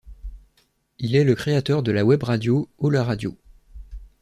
Il est le créateur de la webradio Oh La Radio!